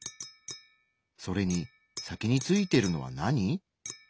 それに先についてるのは何？